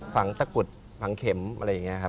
ฝังตะกุดฝังเข็มอะไรอย่างนี้ครับ